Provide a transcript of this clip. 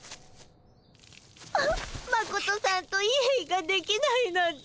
マコトさんとイエイができないなんて。